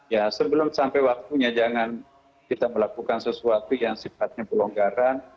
ya sebelum sampai waktunya jangan kita melakukan sesuatu yang sifatnya pelonggaran